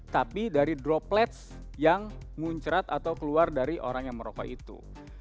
tapi dari droplets yang muncrat atau keluar dari orang yang merokok itu